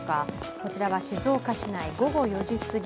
こちらは静岡市内、午後４時過ぎ。